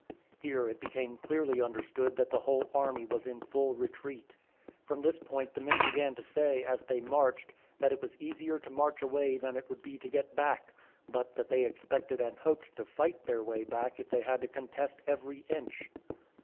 Here it became clearly understood that the whole army was in full retreat. From this point the men began to say, as they marched, that it was easier to march away than it would be to get back, but that they expected and hoped to fight their way back if they had to contest every inch.